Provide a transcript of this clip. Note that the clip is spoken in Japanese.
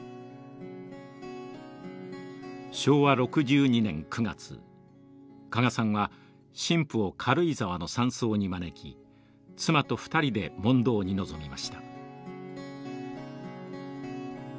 昭和６２年９月加賀さんは神父を軽井沢の山荘に招き妻と２人で問答に臨みました。